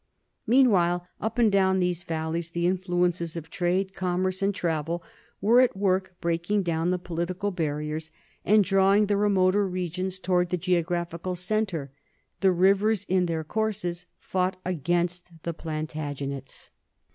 Meanwhile up and down these valleys the influences of trade, com merce, and travel were at work breaking down the polit^ ical barriers and drawing the remoter regions toward the 126 NORMANS IN EUROPEAN HISTORY geographical centre. The rivers in their courses fought against the Plantagenets.